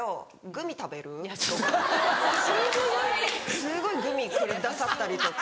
すごいグミくださったりとか。